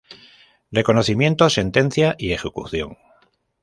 Reconocimiento, sentencia y ejecución.